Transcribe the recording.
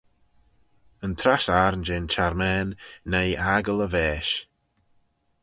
Yn trass ayrn jeh'n çharmane noi aggle y vaaish.